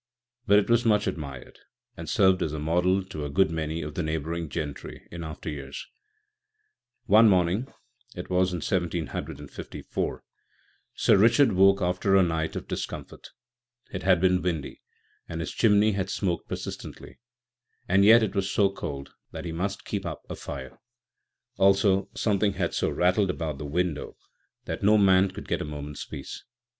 But it was much admired, and served as a model to a good many of the neighbouring gentry in after years. One morning (it was in 1754) Sir Richard woke after a night of discomfort. It had been windy, and his chimney had smoked persistently, and yet it was so cold that he must keep up a fire. Also something had so rattled about the window that no man could get a moment's peace.